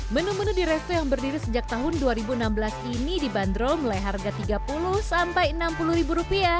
menu menu di resto yang berdiri sejak tahun dua ribu enam belas ini dibanderol melalui harga tiga puluh enam puluh ribu rupiah